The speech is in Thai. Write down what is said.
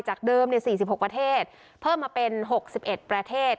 เดิม๔๖ประเทศเพิ่มมาเป็น๖๑ประเทศ